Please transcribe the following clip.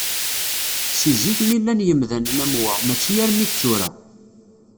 Seg zik mi llan yimdanen am wa mačči armi d tura.